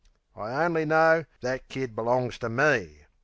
I only know that kid belongs to me!